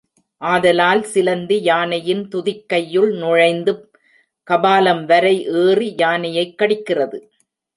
ஆதலால் சிலந்தி யானையின் துதிக்கையுள் நுழைந்து கபாலம் வரை ஏறி யானையைக் கடிக்கிறது.